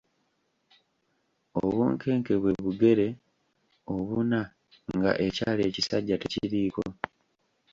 Obunkenke bwe bugere obuna nga ekyala ekisajja tekiriiko .